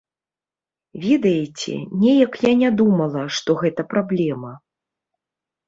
Ведаеце, неяк я не думала, што гэта праблема.